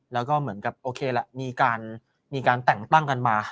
แล้วก็เหมือนกับโอเคละมีการแต่งตั้งกันมา